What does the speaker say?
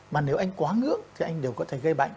mà nếu anh quá ngước thì anh đều có thể gây bệnh